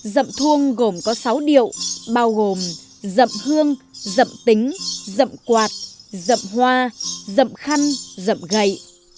rộng thương gồm có sáu điệu bao gồm rộng hương rộng tính rộng quạt rộng hoa rộng khăn rộng gậy